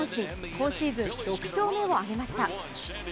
今シーズン６勝目を挙げました。